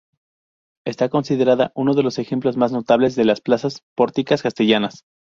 Está considerada uno de los ejemplos más notables de plazas porticadas castellanas.